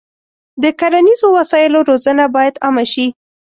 د کرنیزو وسایلو روزنه باید عامه شي.